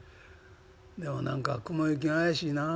でも何か雲行きが怪しいなあ。